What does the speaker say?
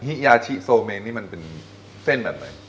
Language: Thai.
ยาชิโซเมนนี่มันเป็นเส้นแบบไหน